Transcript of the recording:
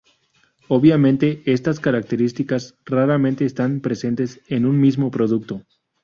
Obviamente estas características raramente están presentes en un mismo producto.